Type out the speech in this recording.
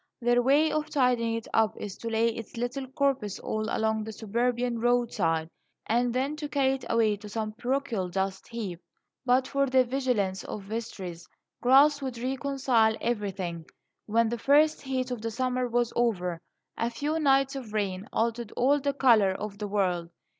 Their way of tidying it up is to lay its little corpse all along the suburban roadside, and then to carry it away to some parochial dust heap. But for the vigilance of Vestries, grass would reconcile everything. When the first heat of the summer was over, a few nights of rain altered all the colour of the world.